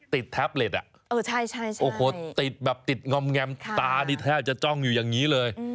แท็บเล็ตโอ้โหติดแบบติดงอมแงมตานี่แทบจะจ้องอยู่อย่างนี้เลย